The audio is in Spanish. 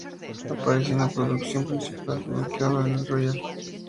Apareció en una producción principal de "The Mikado" en el Royal Albert Hall.